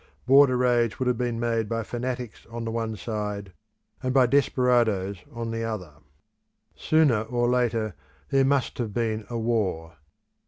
Border raids would have been made by fanatics on the one side, and by desperadoes on the other. Sooner or later there must have been a war.